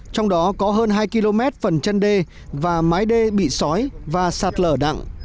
trong đó có hơn hai km phần chân đê và mái đê bị sói và sạt lở nặng